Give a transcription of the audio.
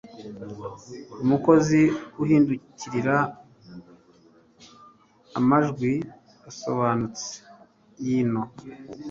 Umukozi uhindukirira amajwi asobanutse yinono